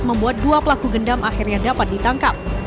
membuat dua pelaku gendam akhirnya dapat ditangkap